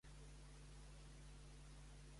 Com es diuen institucions escolars estan involucrades?